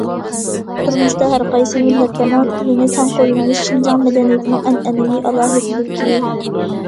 تۇرمۇشتا ھەرقايسى مىللەتلەرنىڭ تىلىنى تەڭ قوللىنىش شىنجاڭ مەدەنىيىتىنىڭ ئەنئەنىۋى ئالاھىدىلىكى.